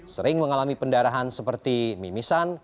sering mengalami pendarahan seperti mimisan